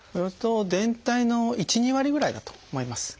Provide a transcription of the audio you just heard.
全体の１２割ぐらいだと思います。